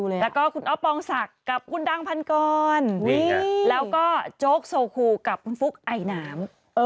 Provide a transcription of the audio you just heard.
แล้วก็คุณอ๊อฟปองศักดิ์กับคุณดังพันกรแล้วก็โจ๊กโซคูกับคุณฟุ๊กไอน้ำ